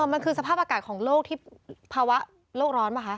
มันคือสภาพอากาศของโลกที่ภาวะโลกร้อนป่ะคะ